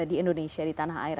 di indonesia di tanah air